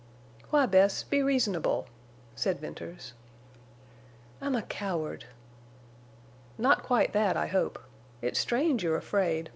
"Why, Bess, be reasonable!" said Venters. "I'm a coward." "Not quite that, I hope. It's strange you're afraid.